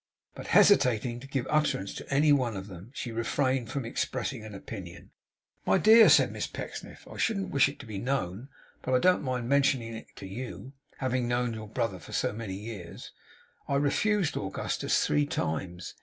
But hesitating to give utterance to any one of them, she refrained from expressing an opinion. 'My dear,' said Miss Pecksniff; 'I shouldn't wish it to be known, but I don't mind mentioning it to you, having known your brother for so many years I refused Augustus three times.